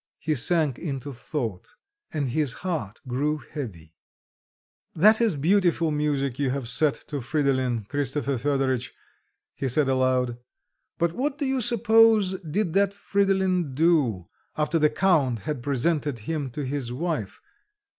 He sank into thought and his heart grew heavy. "That is beautiful music you have set to Fridolin, Christopher Fedoritch," he said aloud, "but what do you suppose, did that Fridolin do, after the Count had presented him to his wife...